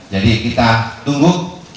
jadi kita tunggu